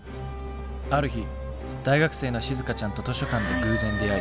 ある日大学生のしずかちゃんと図書館で偶然出会い。